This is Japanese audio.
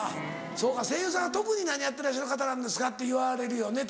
そうか声優さんは特に何やってらっしゃる方なんですかって言われるよね